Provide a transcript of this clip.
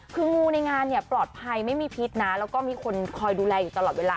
คืองูในงานเนี่ยปลอดภัยไม่มีพิษนะแล้วก็มีคนคอยดูแลอยู่ตลอดเวลา